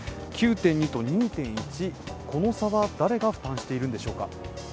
９．２と２．１、この差は誰が負担しているのでしょうか。